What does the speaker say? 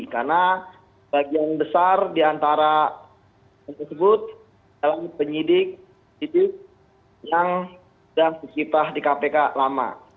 karena bagian besar diantara yang tersebut adalah penyidik penyidik yang sudah berkita di kpk lama